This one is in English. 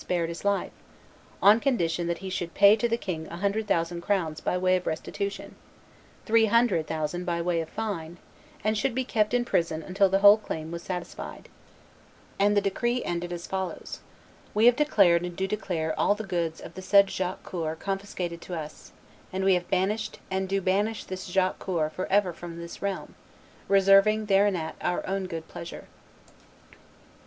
spared his life, "on condition that he should pay to the king a hundred thousand crowns by way of restitution, three hundred thousand by way of fine, and should be kept in prison until the whole claim was satisfied;" and the decree ended as follows: "We have declared and do declare all the goods of the said Jacques Coeur confiscated to us, and we have banished and do banish this Jacques Coeur forever from this realm, reserving thereanent our own good pleasure."